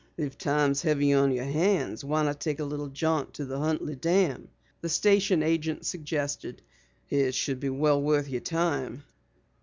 "If time's heavy on your hands why not take a little jaunt to the Huntley Dam?" the station agent suggested. "It should be well worth your time."